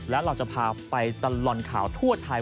แล้วเราจะพาไปตลอดข่าวทั่วไทย